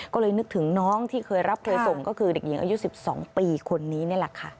ก็เลยนึกถึงน้องที่เคยรับเคยส่งก็คือเด็กหญิงอายุ๑๒ปีคนนี้นี่แหละค่ะ